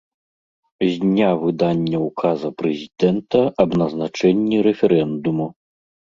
З дня выдання ўказа Прэзідэнта аб назначэнні рэферэндуму.